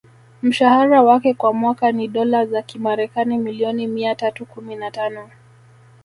Mshahara wake kwa mwaka ni Dola za kimarekani milioni mia tatu kumi na tano